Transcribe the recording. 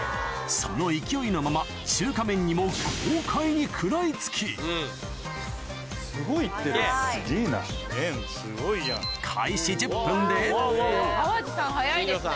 その勢いのまま中華麺にも豪快に食らいつき淡路さん早いですね。